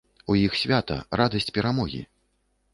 У іх свята, радасць перамогі.